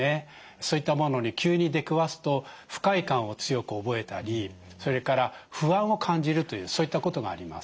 そういったものに急に出くわすと不快感を強く覚えたりそれから不安を感じるというそういったことがあります。